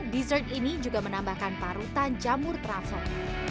dessert ini juga menambahkan parutan jamur travel